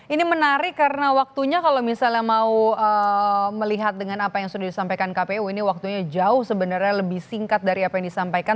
ini menarik karena waktunya kalau misalnya mau melihat dengan apa yang sudah disampaikan kpu ini waktunya jauh sebenarnya lebih singkat dari apa yang disampaikan